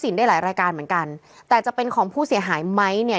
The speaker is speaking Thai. ได้หลายรายการเหมือนกันแต่จะเป็นของผู้เสียหายไหมเนี่ย